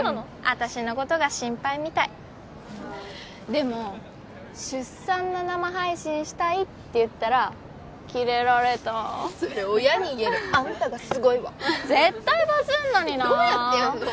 私のことが心配みたいでも出産の生配信したいって言ったらキレられたそれ親に言えるあんたがすごいわ絶対バズんのになどうやってやんの？